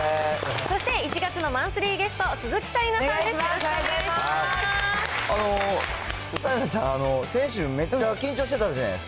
そして、１月のマンスリーゲスト、鈴木紗理奈さんです。